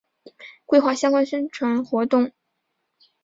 规划相关宣传活动